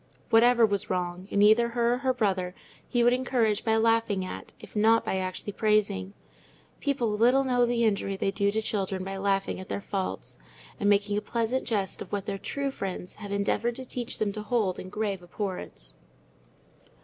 Whatever was wrong, in either her or her brother, he would encourage by laughing at, if not by actually praising: people little know the injury they do to children by laughing at their faults, and making a pleasant jest of what their true friends have endeavoured to teach them to hold in grave abhorrence.